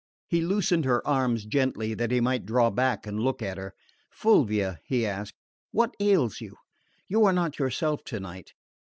He loosened her arms gently, that he might draw back and look at her. "Fulvia," he asked, "what ails you? You are not yourself tonight.